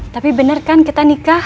tapi benar kan kita nikah